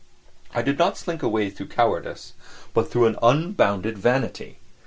I did not slink away through cowardice, but through an unbounded vanity.